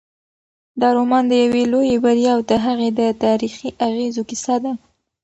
دا رومان د یوې لویې بریا او د هغې د تاریخي اغېزو کیسه ده.